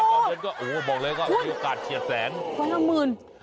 โอ้โหบอกเลยก็มีโอกาสเฉียดแสนโอ้โห๕๐๐๐๐บาท